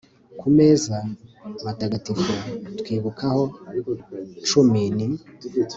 ku meza matagatifu, twibukaho cumin